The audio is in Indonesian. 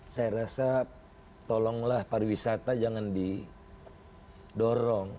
saya rasa tolonglah pariwisata jangan didorong